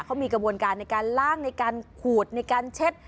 เขามีกระบวนการในการล่างในการขูดในการเช็ด